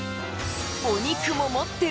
お肉も持ってる。